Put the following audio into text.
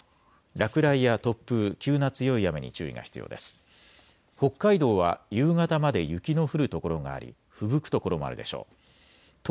落雷や突風、急な強い雨に注意が必要です。